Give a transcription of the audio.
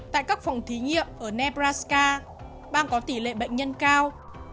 tại các phòng thí nghiệm ở nebraska bang có tỷ lệ bệnh nhân cao